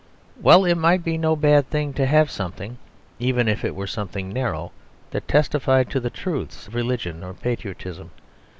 Well, it might be no bad thing to have something, even if it were something narrow, that testified to the truths of religion or patriotism.